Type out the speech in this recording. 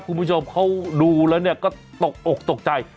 คุณผู้ชมเขาดูแล้วเนี่ยก็ตกอกตกใจ